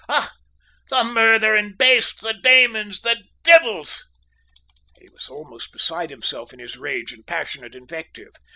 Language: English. Och, the murtherin' bastes, the daymans, the divvles!" He was almost beside himself in his rage and passionate invective.